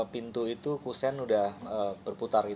pintu itu kusen udah berputar